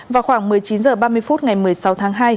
vào khoảng một mươi chín h ba mươi phút ngày một mươi sáu tháng hai